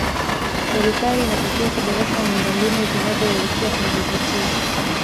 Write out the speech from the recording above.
serikali inatakiwa kuboresha miundo mbinu zinazoelekea kwenye vivutio